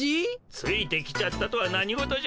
ついてきちゃったとは何事じゃ。